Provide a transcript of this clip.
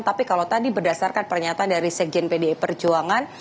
tapi kalau tadi berdasarkan pernyataan dari sekjen pdi perjuangan